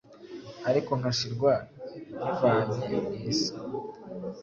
Ariko nkashirwa nyivanye mw’isi